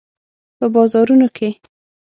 په بازارونو کې